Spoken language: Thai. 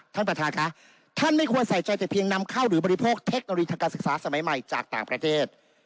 ท่านประธานค่ะท่านไม่ควรใส่ใจแต่เพียงนำเข้าหรือบริโภคเทคโนโลยีทางการศึกษาสมัยใหม่จากต่างประเทศ